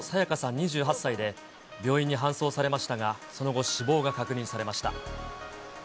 ２８歳で、病院に搬送されましたが、その後、死亡が確認されました。